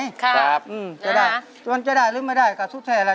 ครับจะได้จนจะได้หรือไม่ได้กับทุกท่ายล่ะ